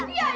itu dia iu